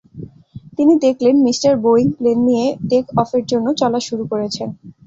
তিনি দেখলেন, mister Boeing plane নিয়ে টেক অফের জন্য চলা শুরু করেছেন।